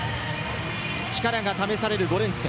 力が試される５連戦。